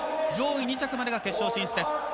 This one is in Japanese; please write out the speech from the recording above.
上位２着までが決勝進出です。